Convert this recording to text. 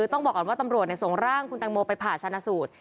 ต้องบอกก่อนว่าตำรวจส่งร่างคุณแตงโมไปผ่าชนะสูตร